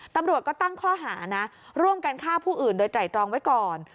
ตำรวจก็ตั้งข้อหานะร่วมกันฆ่าผู้อื่นโดยไตรตรองไว้ก่อน